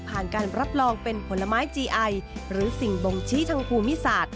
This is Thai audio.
การรับรองเป็นผลไม้จีไอหรือสิ่งบ่งชี้ทางภูมิศาสตร์